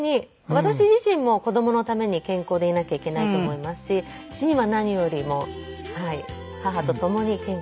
私自身も子供のために健康でいなきゃいけないと思いますし父には何よりも母と共に健康でいてもらいたいなと。